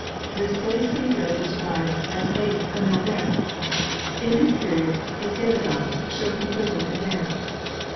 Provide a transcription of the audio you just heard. This glaze could be fairly described as late "famille verte." In this period the Celadons show considerable advance.